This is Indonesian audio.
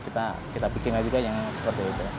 nah kita bikinlah juga yang seperti itu